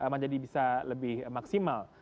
menjadi bisa lebih maksimal